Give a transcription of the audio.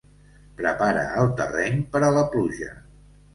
Prepara el terreny per a la pluja.